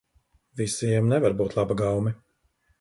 Visiem nevar būt laba gaume.